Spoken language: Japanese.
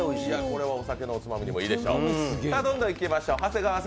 これはお酒のおつまみにもいいでしょう。